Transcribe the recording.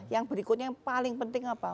yang berikutnya yang paling penting apa